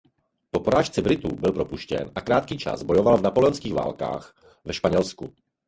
Po porážce Britů byl propuštěn a krátký čas bojoval v napoleonských válkách v Španělsku.